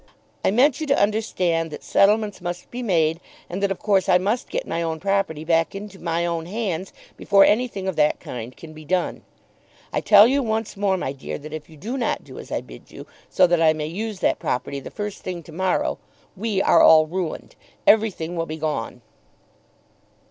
I meant you to understand that settlements must be made, and that of course I must get my own property back into my own hands before anything of that kind can be done. I tell you once more, my dear, that if you do not do as I bid you, so that I may use that property the first thing to morrow, we are all ruined. Everything will be gone."